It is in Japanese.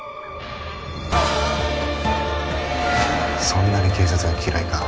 そんなに警察が嫌いか？